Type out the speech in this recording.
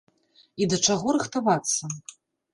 І да чаго рыхтавацца?